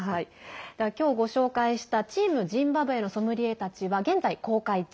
今日ご紹介した「チーム・ジンバブエのソムリエたち」は現在公開中。